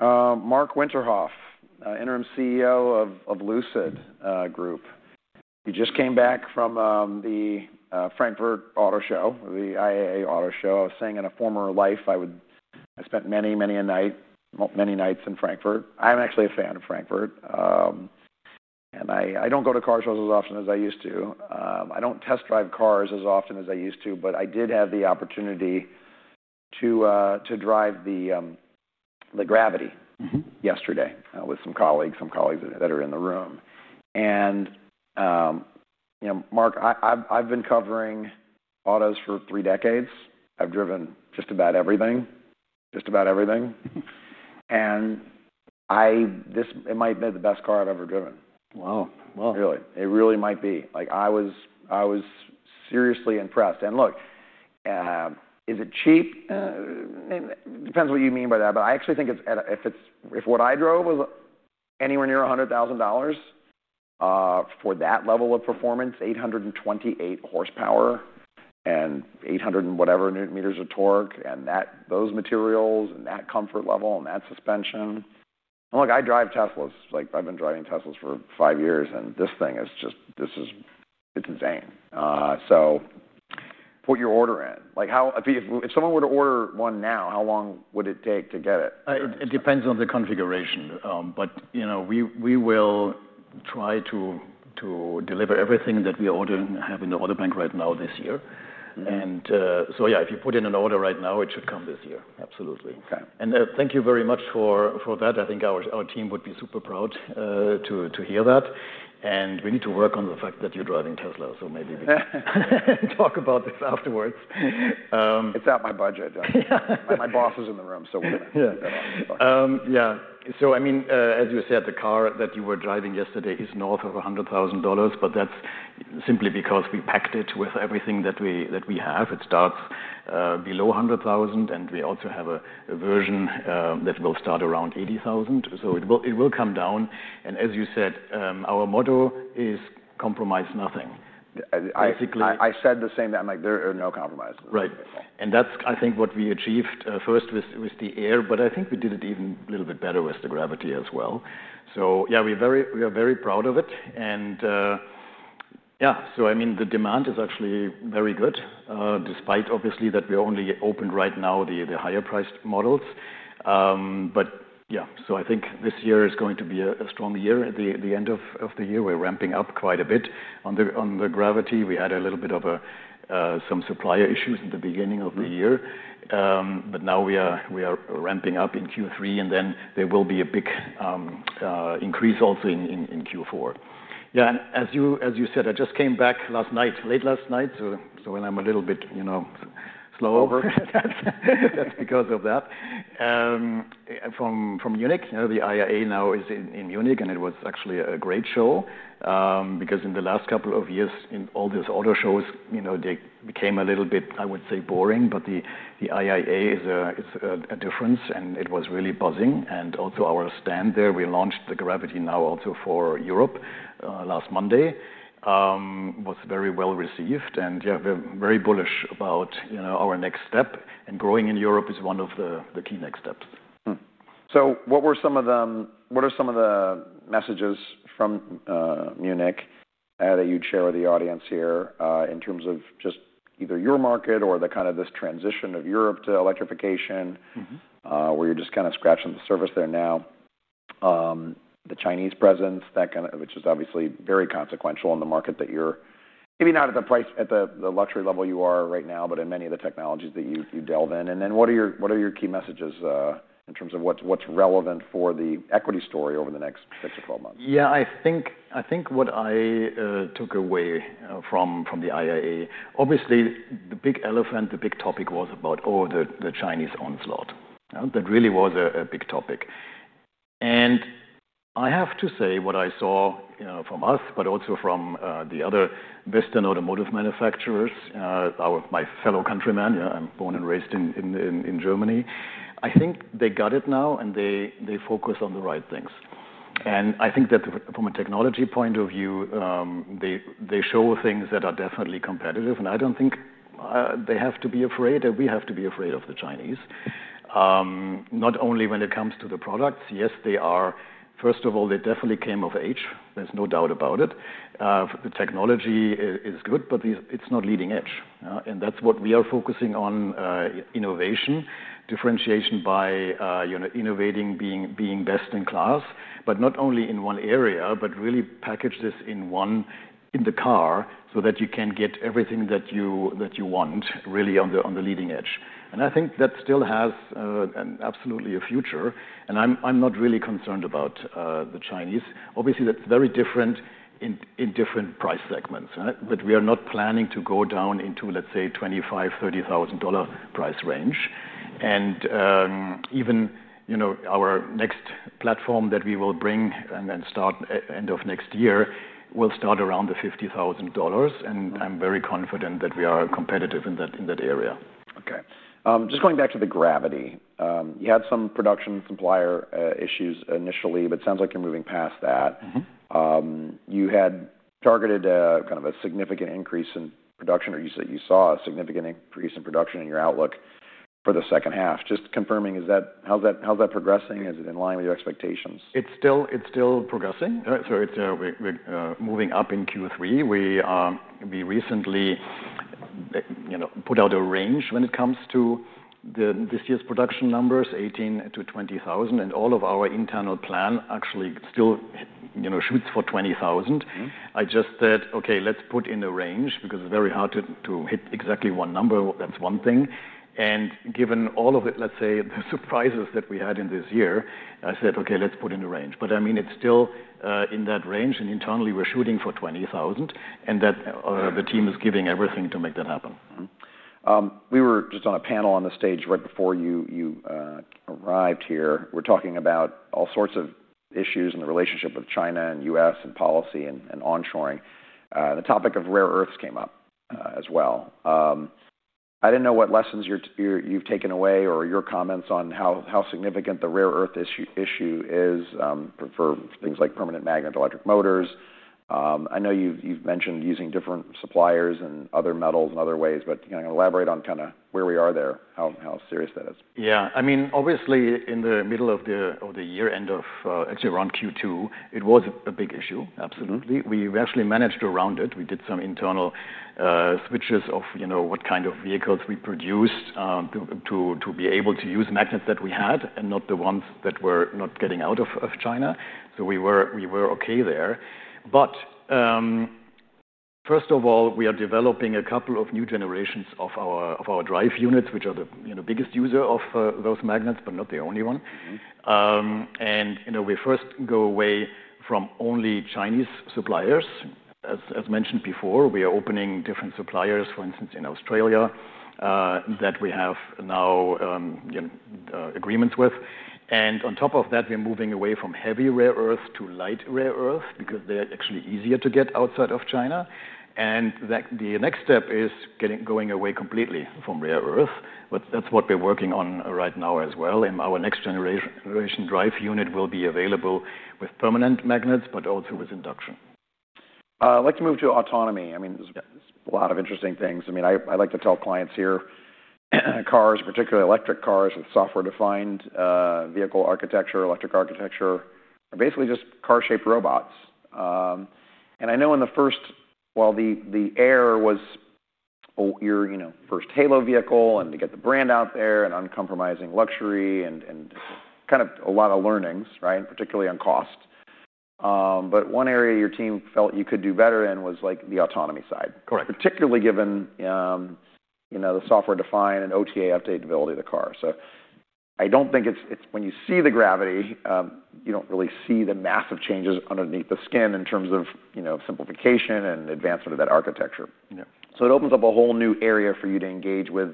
All right. Marc Winterhoff, Interim CEO of Lucid Group. He just came back from the Frankfurt Auto Show, the IAA Auto Show. I was saying in a former life, I spent many, many nights in Frankfurt. I'm actually a fan of Frankfurt. I don't go to car shows as often as I used to. I don't test drive cars as often as I used to, but I did have the opportunity to drive the Gravity. Mm-hmm. Yesterday, with some colleagues that are in the room. You know, Mark, I've been covering autos for three decades. I've driven just about everything, just about everything. I, this, it might be the best car I've ever driven. Wow, wow. It really might be. I was seriously impressed. Look, is it cheap? It depends what you mean by that. I actually think if what I drove was anywhere near $100,000, for that level of performance, 828 horsepower and 800 and whatever newton-meters of torque, and those materials and that comfort level and that suspension. I drive Teslas. I've been driving Teslas for five years. This thing is just, it's insane. Put your order in. If someone were to order one now, how long would it take to get it? It depends on the configuration, but we will try to deliver everything that we ordered and have in the auto bank right now this year. If you put in an order right now, it should come this year, absolutely. Okay. Thank you very much for that. I think our team would be super proud to hear that. We need to work on the fact that you're driving Tesla. Maybe we can talk about this afterwards. It's at my budget. Yeah, my boss is in the room, so we're going to talk. Yeah. As you said, the car that you were driving yesterday is north of $100,000, but that's simply because we packed it with everything that we have. It starts below $100,000. We also have a version that will start around $80,000. It will come down. As you said, our motto is compromise nothing. I said the same thing. I'm like, there are no compromises. Right. I think that's what we achieved first with the Air. I think we did it even a little bit better with the Gravity as well. We are very proud of it. The demand is actually very good, despite, obviously, that we're only open right now, the higher priced models. I think this year is going to be a strong year. The end of the year, we're ramping up quite a bit on the Gravity. We had a little bit of some supplier issues in the beginning of the year, but now we are ramping up in Q3. There will be a big increase also in Q4. As you said, I just came back last night, late last night. When I'm a little bit, you know, slow over, that's because of that. From Munich, you know, the IAA now is in Munich. It was actually a great show because in the last couple of years, in all these auto shows, they became a little bit, I would say, boring. The IAA is a difference. It was really buzzing. Also, our stand there, we launched the Gravity now also for Europe last Monday. It was very well received. We're very bullish about our next step, and growing in Europe is one of the key next steps. What are some of the messages from Munich that you'd share with the audience here, in terms of just either your market or the kind of this transition of Europe to electrification? Mm-hmm. You're just kind of scratching the surface there now. The Chinese presence, which is obviously very consequential in the market, you're maybe not at the price, at the luxury level you are right now, but in many of the technologies that you delve in. What are your key messages in terms of what's relevant for the equity story over the next six to 12 months? I think what I took away from the IAA, obviously, the big elephant, the big topic was about the Chinese onslaught. That really was a big topic. I have to say what I saw from us, but also from the other Western automotive manufacturers, my fellow countrymen. I'm born and raised in Germany. I think they got it now and they focus on the right things. I think that from a technology point of view, they show things that are definitely competitive. I don't think they have to be afraid and we have to be afraid of the Chinese, not only when it comes to the products. Yes, they are, first of all, they definitely came of age. There's no doubt about it. The technology is good, but it's not leading edge. That's what we are focusing on, innovation, differentiation by innovating, being best-in-class. Not only in one area, but really package this in one, in the car so that you can get everything that you want, really on the leading edge. I think that still has absolutely a future. I'm not really concerned about the Chinese. Obviously, that's very different in different price segments. We are not planning to go down into, let's say, $25,000, $30,000 price range. Even our next platform that we will bring and then start end of next year will start around the $50,000. I'm very confident that we are competitive in that area. Okay. Just going back to the Gravity, you had some production supplier issues initially, but it sounds like you're moving past that. Mm-hmm. You had targeted a kind of a significant increase in production, or you said you saw a significant increase in production in your outlook for the second half. Just confirming, is that, how's that progressing? Is it in line with your expectations? It's still progressing. We are moving up in Q3. We recently put out a range when it comes to this year's production numbers, $18,000-$20,000. All of our internal plan actually still shoots for $20,000. Mm-hmm. I just said, okay, let's put in a range because it's very hard to hit exactly one number. That's one thing. Given all of it, let's say the surprises that we had in this year, I said, okay, let's put in a range. I mean, it's still in that range. Internally, we're shooting for $20,000, and the team is giving everything to make that happen. We were just on a panel on the stage right before you arrived here. We're talking about all sorts of issues in the relationship with China and the U.S. and policy and onshoring. The topic of rare earths came up as well. I didn't know what lessons you've taken away or your comments on how significant the rare earth issue is for things like permanent magnet electric motors. I know you've mentioned using different suppliers and other metals and other ways, but can you elaborate on kind of where we are there, how serious that is? Yeah. I mean, obviously, in the middle of the year, end of, actually around Q2, it was a big issue. Absolutely. We managed to round it. We did some internal switches of, you know, what kind of vehicles we produced to be able to use magnets that we had and not the ones that were not getting out of China. We were okay there. First of all, we are developing a couple of new generations of our drive units, which are the biggest user of those magnets, but not the only one. Mm-hmm. We first go away from only Chinese suppliers. As mentioned before, we are opening different suppliers, for instance, in Australia, that we have now agreements with. On top of that, we are moving away from heavy rare earths to light rare earths because they're actually easier to get outside of China. The next step is going away completely from rare earths. That's what we're working on right now as well. Our next generation drive unit will be available with permanent magnets, but also with induction. I'd like to move to autonomy. There's a lot of interesting things. I like to tell clients here, cars, particularly electric cars with software-defined vehicle architecture, electric architecture, are basically just car-shaped robots. I know in the first, well, the Air was, oh, your first halo vehicle to get the brand out there and uncompromising luxury and kind of a lot of learnings, right? Particularly on cost. One area your team felt you could do better in was, like, the autonomy side. Correct. Particularly given, you know, the software-defined and OTA update ability of the car. I don't think it's, it's when you see the Gravity, you don't really see the massive changes underneath the skin in terms of, you know, simplification and advancement of that architecture. Yeah. It opens up a whole new area for you to engage with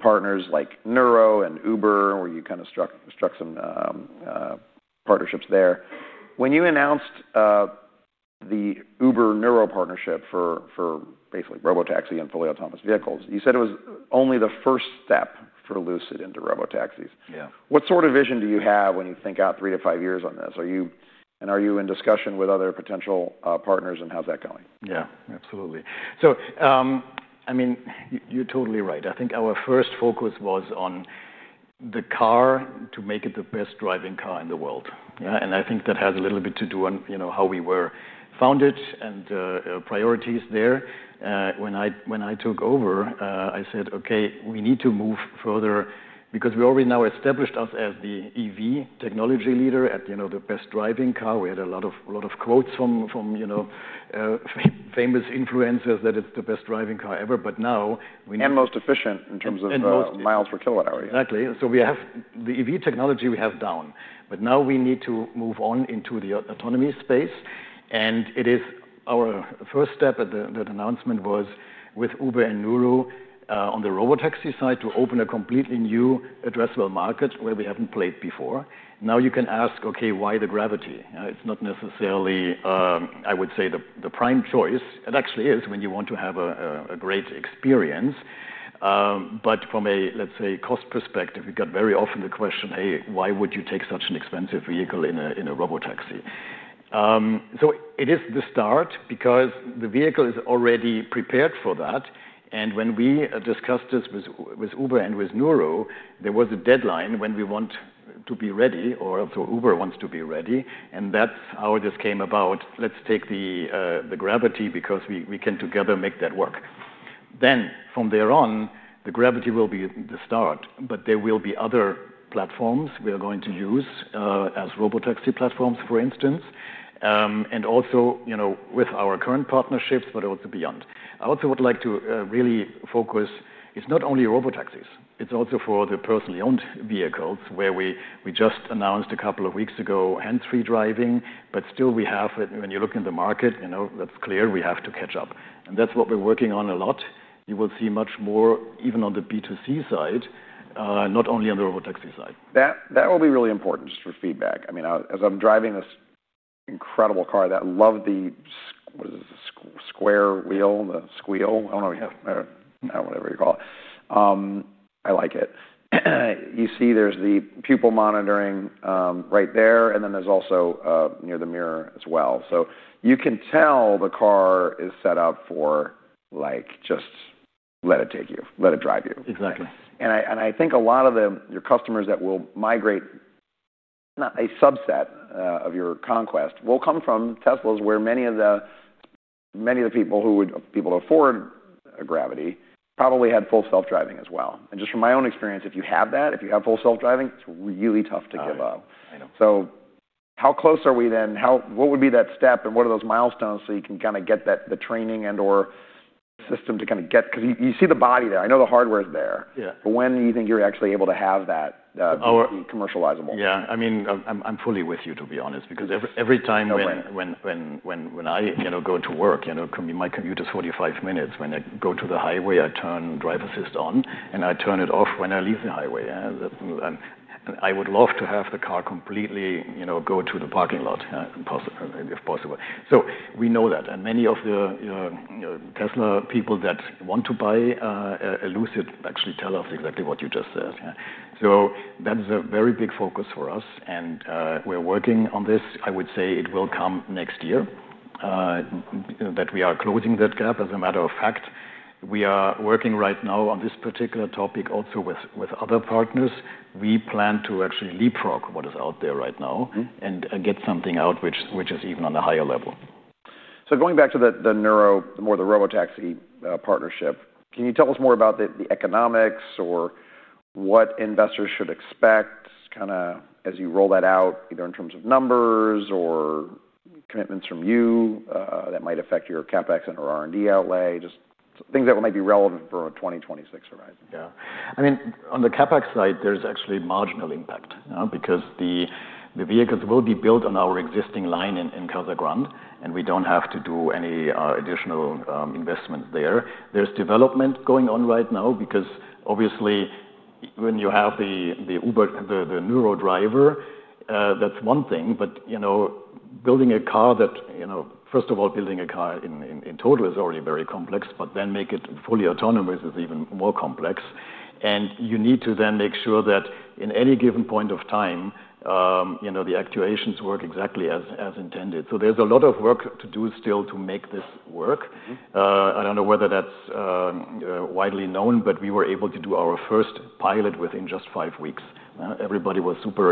partners like Nuro and Uber, where you struck some partnerships there. When you announced the Uber-Nuro partnership for basically robotaxi and fully autonomous vehicles, you said it was only the first step for Lucid into robotaxis. Yeah. What sort of vision do you have when you think out three to five years on this? Are you in discussion with other potential partners, and how's that going? Absolutely. I mean, you're totally right. I think our first focus was on the car to make it the best driving car in the world. Mm-hmm. Yeah, I think that has a little bit to do on how we were founded and priorities there. When I took over, I said, "Okay, we need to move further because we already now established us as the EV technology leader at, you know, the best driving car. We had a lot of quotes from, you know, famous influencers that it's the best driving car ever. Now we. Most efficient in terms of miles per kilowatt hour. Exactly. We have the EV technology we have down, but now we need to move on into the autonomy space. It is our first step at the, that announcement was with Uber and Nuro, on the robotaxi side to open a completely new addressable market where we haven't played before. Now you can ask, okay, why the Gravity? Yeah. It's not necessarily, I would say, the prime choice. It actually is when you want to have a great experience, but from a, let's say, cost perspective, you got very often the question, hey, why would you take such an expensive vehicle in a robotaxi? It is the start because the vehicle is already prepared for that. When we discussed this with Uber and with Nuro, there was a deadline when we want to be ready, or so Uber wants to be ready. That's how this came about. Let's take the Gravity because we can together make that work. From there on, the Gravity will be the start, but there will be other platforms we are going to use as robotaxi platforms, for instance, and also, you know, with our current partnerships, but also beyond. I also would like to really focus, it's not only robotaxis. It's also for the personally owned vehicles where we just announced a couple of weeks ago, hands-free driving. Still, we have, when you look in the market, you know, that's clear we have to catch up. That's what we're working on a lot. You will see much more even on the B2C side, not only on the robotaxi side. That will be really important for feedback. I mean, as I'm driving this incredible car that loved the, what is this, square wheel and the squeal? I don't know what you call it. I like it. You see there's the pupil monitoring, right there. And then there's also, near the mirror as well. You can tell the car is set up for, like, just let it take you. Let it drive you. Exactly. I think a lot of your customers that will migrate, not a subset of your conquest, will come from Teslas where many of the people who would, people to afford a Gravity probably had full self-driving as well. Just from my own experience, if you have that, if you have full self-driving, it's really tough to give up. I know. How close are we then? What would be that step and what are those milestones so you can kind of get that, the training and/or system to kind of get, because you see the body there. I know the hardware is there. Yeah. When do you think you're actually able to have that, commercializable? Yeah, I mean, I'm fully with you, to be honest, because every time when I go to work, you know, my commute is 45 minutes. When I go to the highway, I turn drive assist on, and I turn it off when I leave the highway. I would love to have the car completely, you know, go to the parking lot, yeah, if possible. We know that. Many of the Tesla people that want to buy a Lucid actually tell us exactly what you just said. That's a very big focus for us, and we're working on this. I would say it will come next year, that we are closing that gap. As a matter of fact, we are working right now on this particular topic also with other partners. We plan to actually leapfrog what is out there right now and get something out which is even on a higher level. Going back to the Nuro, the more the robotaxi partnership, can you tell us more about the economics or what investors should expect kind of as you roll that out, either in terms of numbers or commitments from you, that might affect your CapEx and/or R&D outlay? Just things that might be relevant for a 2026 horizon. Yeah. I mean, on the CapEx side, there's actually marginal impact, because the vehicles will be built on our existing line in Casa Grande. We don't have to do any additional investments there. There's development going on right now because obviously, when you have the Uber, the Nuro driver, that's one thing. You know, building a car that, you know, first of all, building a car in total is already very complex. Making it fully autonomous is even more complex. You need to then make sure that in any given point of time, you know, the actuations work exactly as intended. There's a lot of work to do still to make this work. Mm-hmm. I don't know whether that's widely known, but we were able to do our first pilot within just five weeks. Everybody was super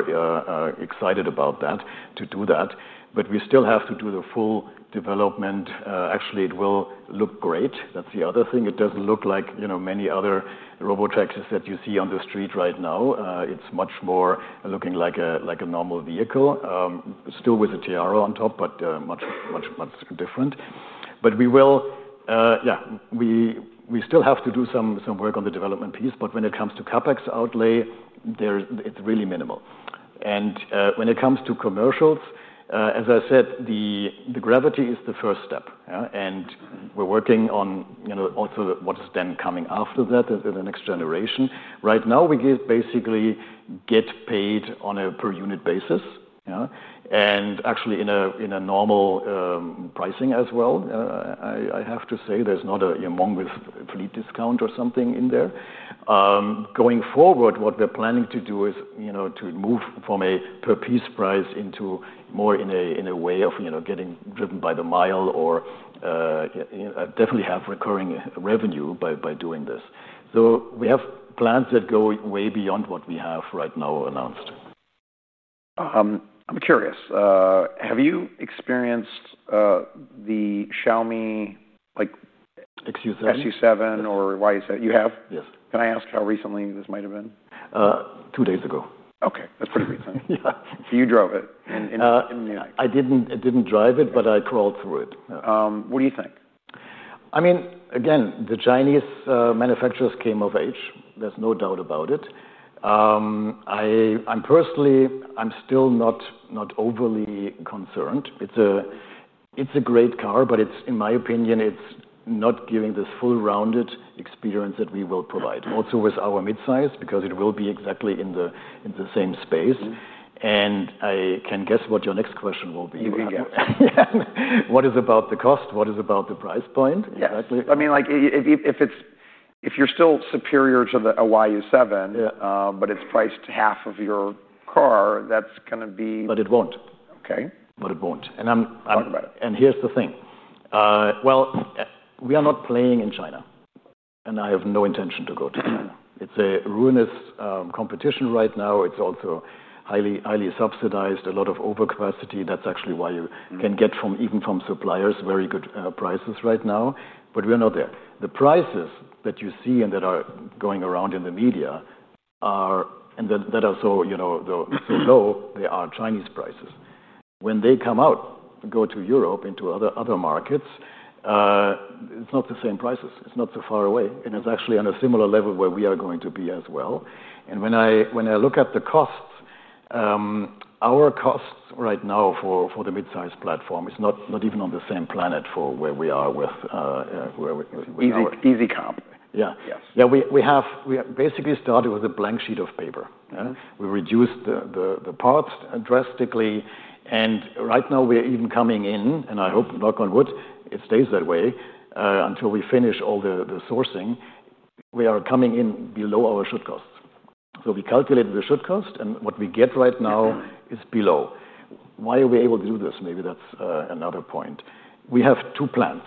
excited about that, to do that. We still have to do the full development. Actually, it will look great. That's the other thing. It doesn't look like, you know, many other robotaxis that you see on the street right now. It's much more looking like a normal vehicle, still with a tiara on top, but much, much, much different. We still have to do some work on the development piece. When it comes to CapEx outlay, it's really minimal. When it comes to commercials, as I said, the Gravity is the first step. We're working on, you know, also what is then coming after that, the next generation. Right now, we basically get paid on a per unit basis. Actually, in a normal pricing as well. I have to say there's not a, you know, mongoose fleet discount or something in there. Going forward, what we're planning to do is to move from a per piece price into more in a way of, you know, getting driven by the mile or definitely have recurring revenue by doing this. We have plans that go way beyond what we have right now announced. I'm curious. Have you experienced the Xiaomi SU7 or YU7? You have? Yes. Can I ask how recently this might have been? Two days ago. Okay. That's pretty recent. Yeah. You drove it in the United. I didn't drive it, but I crawled through it. What do you think? I mean, again, the Chinese manufacturers came of age. There's no doubt about it. I'm personally, I'm still not overly concerned. It's a great car, but it's, in my opinion, it's not giving this full rounded experience that we will provide. Also with our mid-size, because it will be exactly in the same space. Mm-hmm. I can guess what your next question will be. Yeah. What is about the cost? What is about the price point exactly? Yeah. I mean, if it's, if you're still superior to the YU7. Yeah. It's priced half of your car, that's going to be. It will not. Okay. It won't. Talk about it. Here's the thing. We are not playing in China. I have no intention to go to China. It's a ruinous competition right now. It's also highly, highly subsidized. A lot of overcapacity. That's actually why you can get, even from suppliers, very good prices right now. We are not there. The prices that you see and that are going around in the media, and that are so, you know, so low, they are Chinese prices. When they come out, go to Europe, into other markets, it's not the same prices. It's not so far away. It's actually on a similar level where we are going to be as well. When I look at the costs, our costs right now for the mid-size platform are not even on the same planet for where we are. Easy, easy comp. Yeah. Yes. Yeah. We have, we basically started with a blank sheet of paper. Mm-hmm. We reduced the parts drastically. Right now, we're even coming in, and I hope, knock on wood, it stays that way until we finish all the sourcing. We are coming in below our should costs. We calculate the should cost, and what we get right now is below. Why are we able to do this? Maybe that's another point. We have two plants.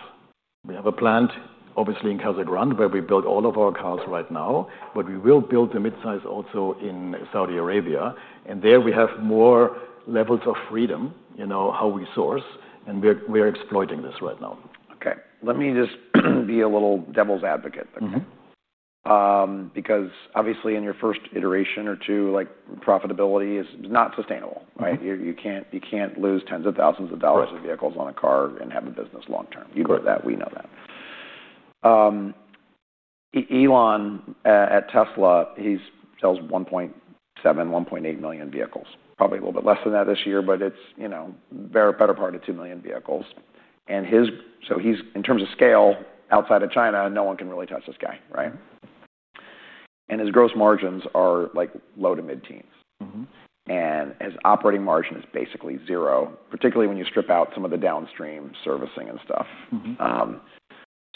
We have a plant, obviously, in Casa Grande where we build all of our cars right now. We will build the mid-size also in Saudi Arabia. There we have more levels of freedom, you know, how we source. We're exploiting this right now. Okay. Let me just be a little devil's advocate there. Mm-hmm. Because obviously, in your first iteration or two, like, profitability is not sustainable. Mm-hmm. You can't lose tens of thousands of dollars of vehicles on a car and have a business long term. Correct. You know that. We know that. Elon, at Tesla, he sells 1.7 million, 1.8 million vehicles. Probably a little bit less than that this year, but it's better part 2 million vehicles. In terms of scale, outside of China, no one can really touch this guy. Right? Mm-hmm. His gross margins are, like, low to mid-teens. Mm-hmm. His operating margin is basically 0%, particularly when you strip out some of the downstream servicing and stuff. Mm-hmm.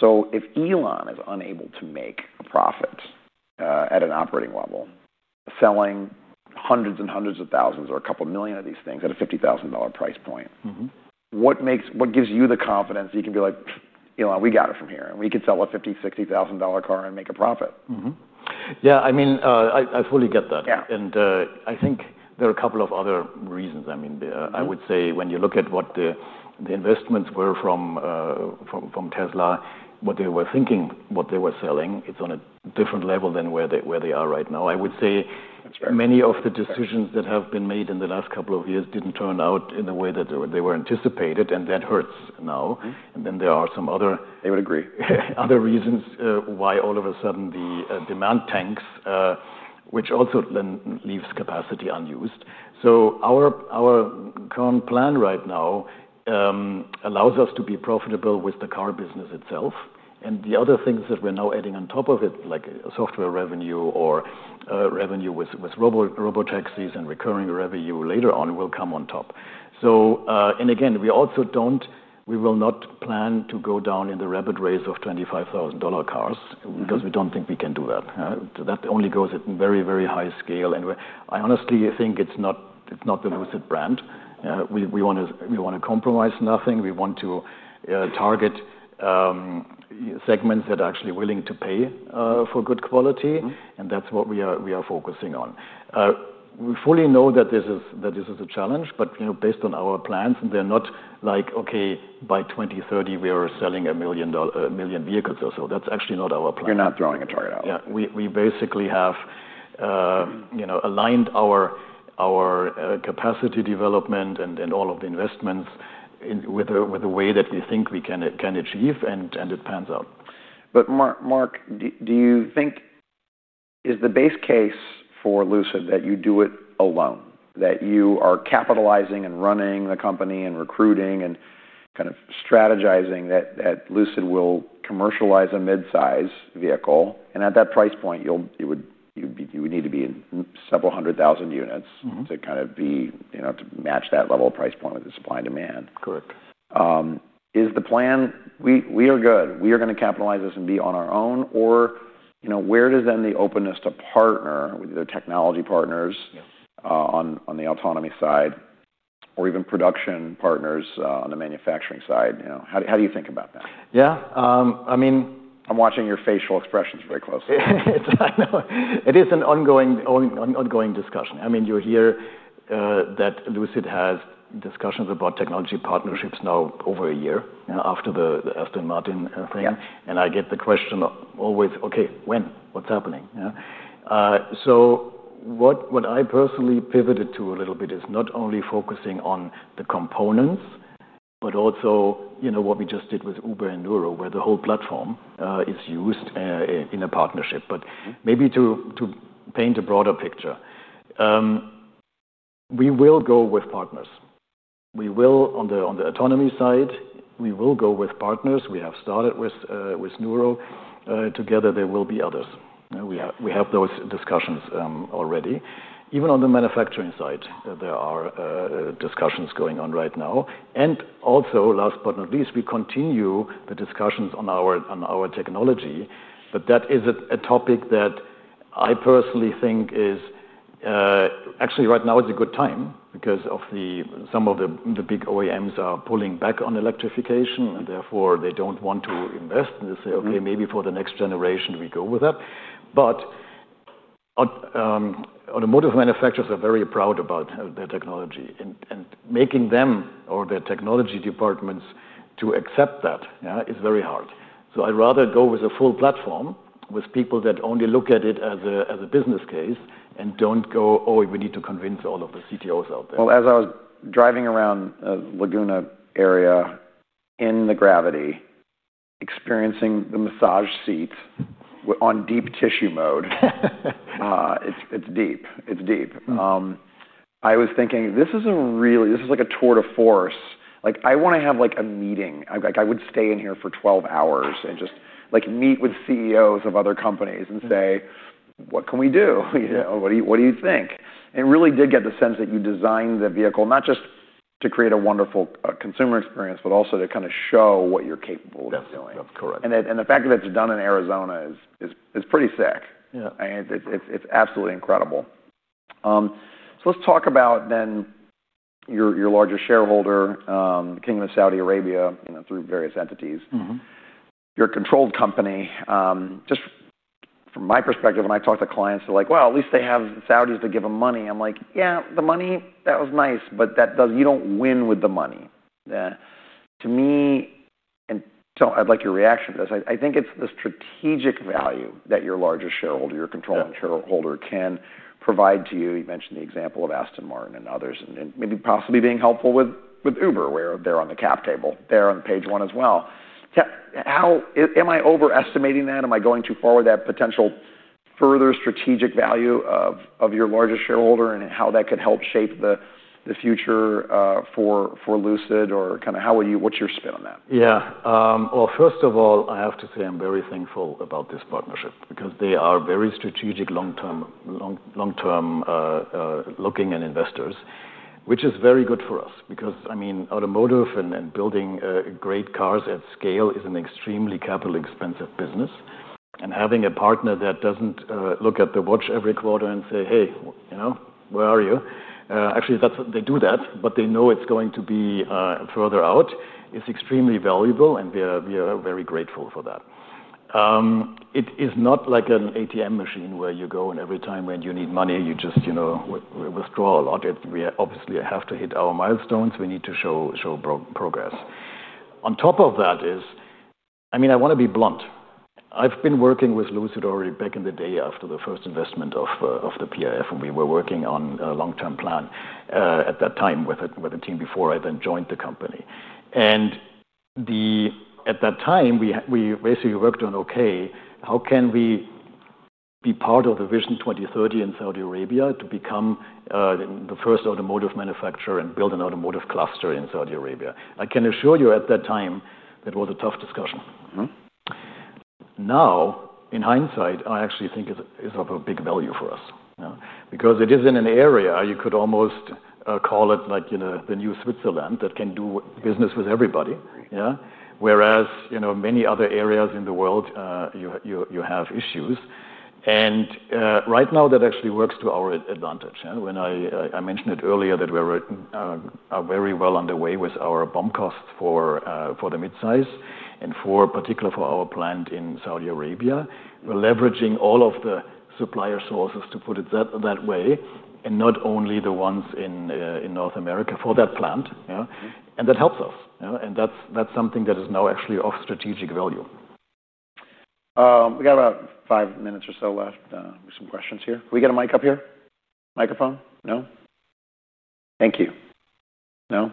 If Elon is unable to make profits at an operating level, selling hundreds and hundreds of thousands or a couple million of these things at a $50,000 price point. Mm-hmm. What makes, what gives you the confidence that you can be like, Elon, we got it from here, and we could sell a $50,000, $60,000 car and make a profit. Yeah. I mean, I fully get that. Yeah. I think there are a couple of other reasons. I mean, I would say when you look at what the investments were from Tesla, what they were thinking, what they were selling, it's on a different level than where they are right now. I would say many of the decisions that have been made in the last couple of years didn't turn out in the way that they were anticipated. That hurts now. Mm-hmm. There are some other. I would agree. Other reasons why all of a sudden the demand tanks, which also then leaves capacity unused. Our current plan right now allows us to be profitable with the car business itself. The other things that we're now adding on top of it, like software revenue or revenue with robotaxis and recurring revenue later on, will come on top. We also don't, we will not plan to go down in the rapid race of $25,000 cars. Mm-hmm. Because we don't think we can do that. That only goes at very, very high scale. I honestly think it's not, it's not the Lucid brand. We want to compromise nothing. We want to target segments that are actually willing to pay for good quality. Mm-hmm. That's what we are focusing on. We fully know that this is a challenge. Based on our plans, they're not like, okay, by 2030, we are selling $1 million, a million vehicles or so. That's actually not our plan. You're not throwing a target out. Yeah. We basically have, you know, aligned our capacity development and all of the investments in with a way that we think we can achieve, and it pans out. Mark, do you think is the base case for Lucid that you do it alone? That you are capitalizing and running the company and recruiting and kind of strategizing that Lucid will commercialize a mid-size vehicle. At that price point, you would need to be in several hundred thousand units. Mm-hmm. To match that level of price point with the supply and demand. Correct. Is the plan, we are good. We are going to capitalize this and be on our own, or, you know, where does then the openness to partner with either technology partners? Yeah. On the autonomy side or even production partners, on the manufacturing side, how do you think about that? Yeah, I mean. I'm watching your facial expressions really closely. I know. It is an ongoing discussion. You hear that Lucid has discussions about technology partnerships now over a year, after the Aston Martin thing. Yeah. I get the question always, okay, when? What's happening? What I personally pivoted to a little bit is not only focusing on the components, but also what we just did with Uber and Nuro, where the whole platform is used in a partnership. Maybe to paint a broader picture, we will go with partners. On the autonomy side, we will go with partners. We have started with Nuro. Together, there will be others. Mm-hmm. We have those discussions already. Even on the manufacturing side, there are discussions going on right now. Also, last but not least, we continue the discussions on our technology. That is a topic that I personally think is actually, right now, it's a good time because some of the big OEMs are pulling back on electrification. Therefore, they don't want to invest. They say, okay, maybe for the next generation, we go with that. Automotive manufacturers are very proud about their technology, and making them or their technology departments accept that is very hard. I'd rather go with a full platform with people that only look at it as a business case and don't go, oh, we need to convince all of the CTOs out there. As I was driving around Laguna area in the Gravity, experiencing the massage seat on deep tissue mode, it's deep. It's deep. Mm-hmm. I was thinking, this is a really, this is like a tour de force. I wanna have, like, a meeting. I would stay in here for 12 hours and just, like, meet with CEOs of other companies and say, what can we do? Yeah. What do you think? I really did get the sense that you designed the vehicle not just to create a wonderful consumer experience, but also to kind of show what you're capable of doing. That's correct. The fact that it's done in Arizona is pretty sick. Yeah. It's absolutely incredible. Let's talk about your largest shareholder, the Kingdom of Saudi Arabia, you know, through various entities. Mm-hmm. Your controlled company, just from my perspective, when I talk to clients, they're like, yeah, at least they have the Saudis to give them money. I'm like, yeah, the money, that was nice. That does, you don't win with the money. To me, and I'd like your reaction to this, I think it's the strategic value that your largest shareholder, your controlling shareholder, can provide to you. You mentioned the example of Aston Martin and others, and then maybe possibly being helpful with Uber where they're on the cap table. They're on the page one as well. Am I overestimating that? Am I going too far with that potential further strategic value of your largest shareholder and how that could help shape the future for Lucid or kind of how are you, what's your spin on that? Yeah. First of all, I have to say I'm very thankful about this partnership because they are very strategic, long term, long, long term, looking and investors, which is very good for us because, I mean, automotive and building great cars at scale is an extremely capital expensive business. Having a partner that doesn't look at the watch every quarter and say, hey, you know, where are you? Actually, that's what they do that. They know it's going to be further out, which is extremely valuable. We are very grateful for that. It is not like an ATM machine where you go and every time when you need money, you just, you know, withdraw a lot. We obviously have to hit our milestones. We need to show progress. On top of that, I mean, I want to be blunt. I've been working with Lucid already back in the day after the first investment of the PIF. We were working on a long-term plan at that time with a team before I then joined the company. At that time, we basically worked on, okay, how can we be part of the Vision 2030 in Saudi Arabia to become the first automotive manufacturer and build an automotive cluster in Saudi Arabia? I can assure you at that time, that was a tough discussion. Mm-hmm. Now, in hindsight, I actually think it's of a big value for us because it is in an area you could almost call it, like, you know, the new Switzerland that can do business with everybody. Right. Yeah. Whereas, you know, many other areas in the world, you have issues. Right now, that actually works to our advantage. I mentioned it earlier that we're very well underway with our bomb costs for the midsize and particularly for our plant in Saudi Arabia. Mm-hmm. We're leveraging all of the supplier sources to put it that way. Not only the ones in North America for that plant. That helps us. That's something that is now actually of strategic value. We got about five minutes or so left with some questions here. Can we get a mic up here? Microphone? No? Thank you. No?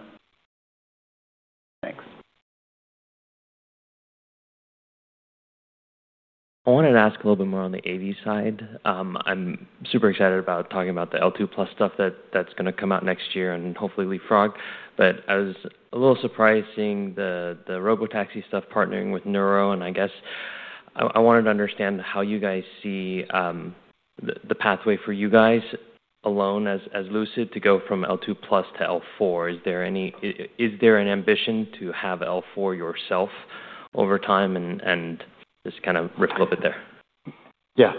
Thanks. I wanted to ask a little bit more on the AV side. I'm super excited about talking about the L2+ stuff that is going to come out next year and hopefully leapfrog. I was a little surprised seeing the robotaxi stuff partnering with Nuro. I wanted to understand how you guys see the pathway for you guys alone as Lucid to go from L2+ to L4. Is there an ambition to have L4 yourself over time and just kind of rip it a little bit there? Yeah,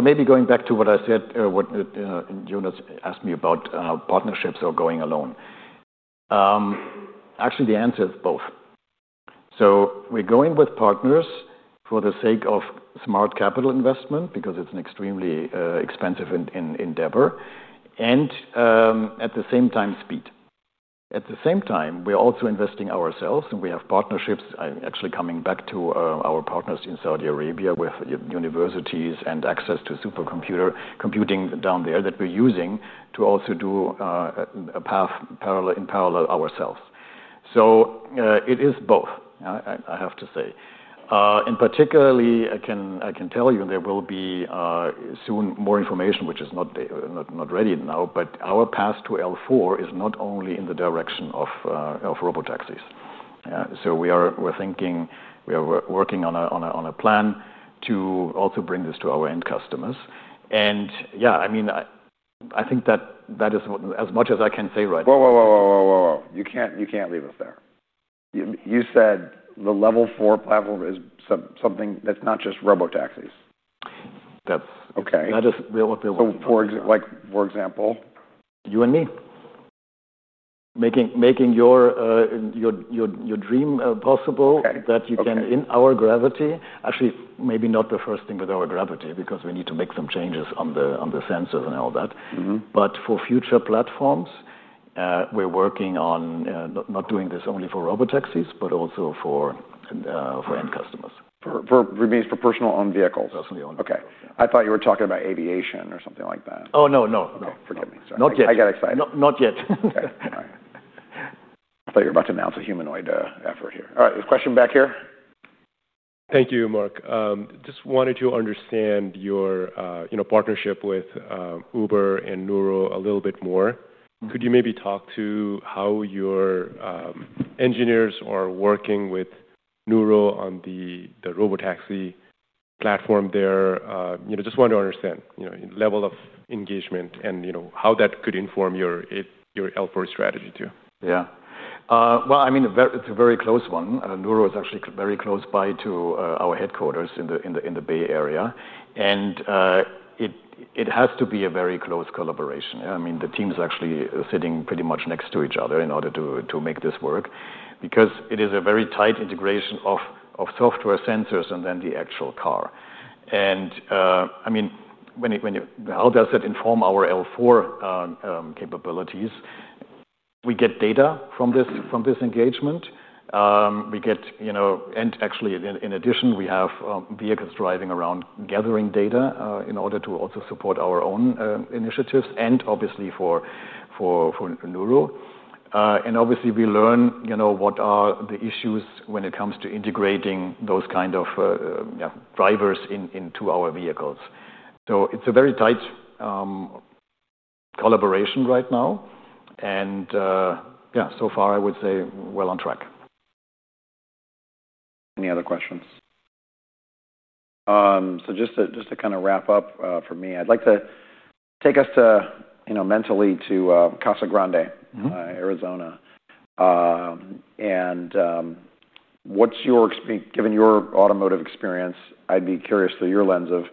maybe going back to what I said, what, you know, Jonas asked me about, partnerships or going alone. Actually, the answer is both. We're going with partners for the sake of smart capital investment because it's an extremely expensive endeavor, and at the same time, speed. At the same time, we're also investing ourselves. We have partnerships, actually coming back to our partners in Saudi Arabia with universities and access to supercomputer computing down there that we're using to also do a path in parallel ourselves. It is both. I have to say, and particularly, I can tell you there will be soon more information, which is not ready now. Our path to L4 is not only in the direction of robotaxis. We are thinking, we are working on a plan to also bring this to our end customers. I think that is as much as I can say. You can't leave us there. You said the level four platform is something that's not just robotaxis. That's. Okay. That is what we're looking for. For example, for example? You and me. Making your dream possible that you can in our Gravity. Actually, maybe not the first thing with our Gravity because we need to make some changes on the sensors and all that. Mm-hmm. For future platforms, we're working on not doing this only for robotaxis, but also for end customers. For personally owned vehicles. Personally owned. Okay, I thought you were talking about aviation or something like that. No, no. Okay. Forget me. Not yet. I got excited. Not yet. Okay. All right. I thought you were about to announce a humanoid effort here. All right. There's a question back here. Thank you, Mark. I just wanted to understand your, you know, partnership with Uber and Nuro a little bit more. Mm-hmm. Could you maybe talk to how your engineers are working with Nuro on the robotaxi platform there? Just wanted to understand your level of engagement and how that could inform your L4 strategy too. Yeah, I mean, it's a very close one. Nuro is actually very close by to our headquarters in the Bay Area. It has to be a very close collaboration. I mean, the team's actually sitting pretty much next to each other in order to make this work because it is a very tight integration of software, sensors, and then the actual car. I mean, when it, when you, how does it inform our L4 capabilities? We get data from this, from this engagement. We get, you know, and actually, in addition, we have vehicles driving around gathering data in order to also support our own initiatives and obviously for Nuro. Obviously, we learn, you know, what are the issues when it comes to integrating those kind of drivers into our vehicles. It's a very tight collaboration right now. Yeah, so far, I would say well on track. Any other questions? Just to kind of wrap up, for me, I'd like to take us to, you know, mentally to Casa Grande. Mm-hmm. Arizona. What's your, given your automotive experience, I'd be curious through your lens of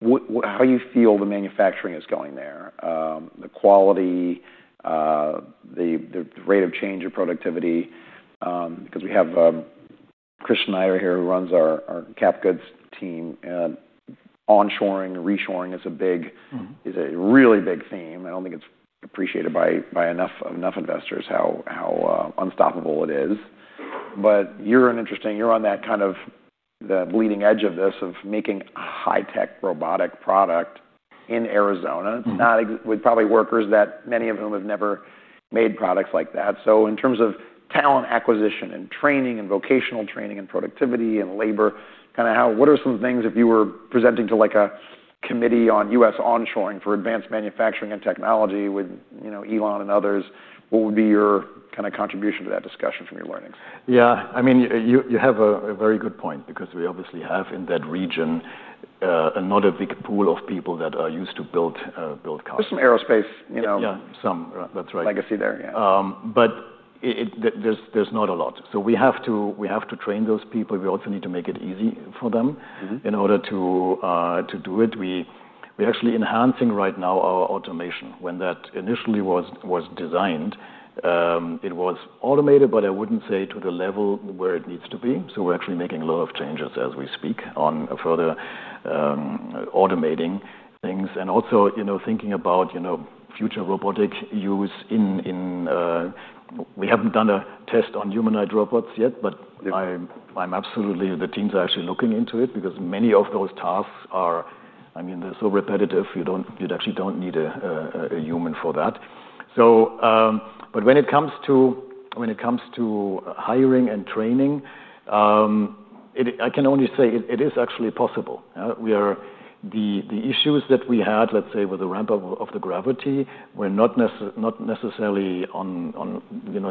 what, how you feel the manufacturing is going there. The quality, the rate of change of productivity, because we have Chris Schneider here who runs our cap goods team. Onshoring, reshoring is a big. Mm-hmm. Is a really big theme. I don't think it's appreciated by enough investors how unstoppable it is. You're on that kind of the bleeding edge of this, of making a high-tech robotic product in Arizona. Mm-hmm. Not ex, with probably workers that many of them have never made products like that. In terms of talent acquisition and training and vocational training and productivity and labor, kind of how, what are some things if you were presenting to, like, a committee on U.S. onshoring for advanced manufacturing and technology with, you know, Elon and others, what would be your kind of contribution to that discussion from your learnings? Yeah. I mean, you have a very good point because we obviously have in that region another big pool of people that are used to build cars. There's some aerospace, you know. Yeah, that's right. Legacy there. Yeah. There's not a lot. We have to train those people. We also need to make it easy for them. Mm-hmm. In order to do it, we are actually enhancing right now our automation. When that initially was designed, it was automated, but I wouldn't say to the level where it needs to be. We are actually making a lot of changes as we speak on further automating things. Also, you know, thinking about future robotic use, we haven't done a test on humanoid robots yet, but I'm absolutely, the team's actually looking into it because many of those tasks are, I mean, they're so repetitive. You actually don't need a human for that. When it comes to hiring and training, I can only say it is actually possible. The issues that we had, let's say, with the ramp up of the Gravity, were not necessarily on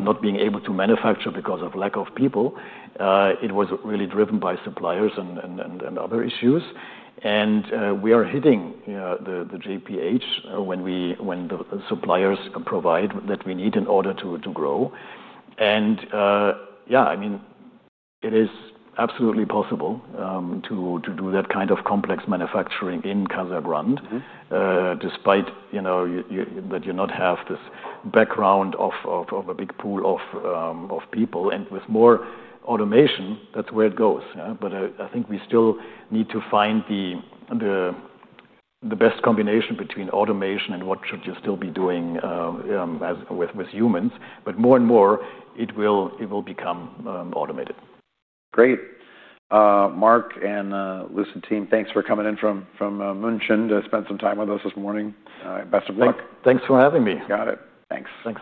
not being able to manufacture because of lack of people. It was really driven by suppliers and other issues. We are hitting the JPH when the suppliers provide what we need in order to grow. I mean, it is absolutely possible to do that kind of complex manufacturing in Casa Grande. Mm-hmm. Despite not having this background of a big pool of people, with more automation, that's where it goes. I think we still need to find the best combination between automation and what you should still be doing with humans. More and more, it will become automated. Great. Mark and Lucid team, thanks for coming in from Munich to spend some time with us this morning. Best of luck. Thanks for having me. Got it. Thanks. Thanks.